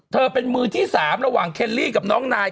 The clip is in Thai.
เป็นมือที่๓ระหว่างเคลลี่กับน้องนาย